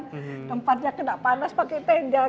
tempatnya kena panas pakai tenggel